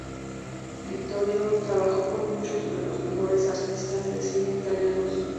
Vittorio trabajó con muchos de los mejores artistas de cine italianos.